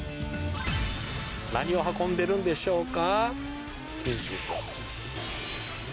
何を運んでるんでしょうか？